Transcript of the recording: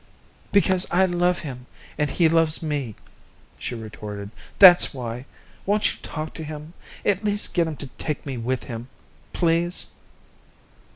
"Because I love him and he loves me," she retorted. "That's why. Won't you talk to him? At least get him to take me with him. Please."